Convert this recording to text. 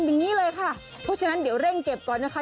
อย่างนี้เลยค่ะเพราะฉะนั้นเดี๋ยวเร่งเก็บก่อนนะคะ